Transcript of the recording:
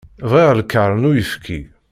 Bɣiɣ lkaṛ n uyefki.